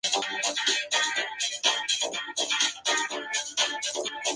Le fueron asignados terrenos fiscales en pleno centro de Caleta Olivia.